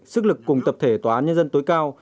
sức lực cùng tập thể tòa án nhân dân tối cao